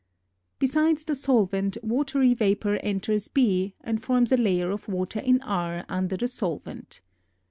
Besides the solvent, watery vapor enters B and forms a layer of water in R under the solvent.